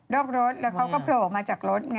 อกรถแล้วเขาก็โผล่ออกมาจากรถไง